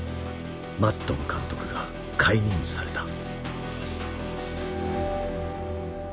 マッドン監督が解任された。